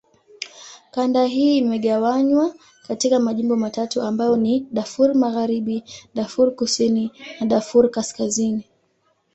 Kanda hii imegawanywa katika majimbo matatu ambayo ni: Darfur Magharibi, Darfur Kusini, Darfur Kaskazini.